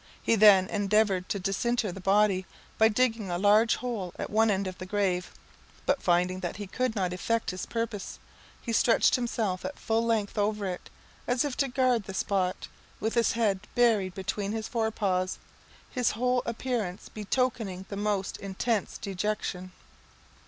He then endeavoured to disinter the body, by digging a large hole at one end of the grave; but finding that he could not effect his purpose, he stretched himself at full length over it, as if to guard the spot, with his head buried between his fore paws, his whole appearance betokening the most intense dejection.